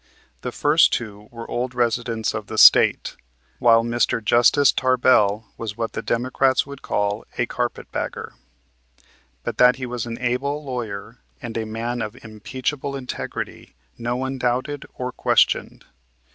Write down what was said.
The first two were old residents of the State, while Mr. Justice Tarbell was what the Democrats would call a "Carpet Bagger." But that he was an able lawyer and a man of unimpeachable integrity no one doubted or questioned.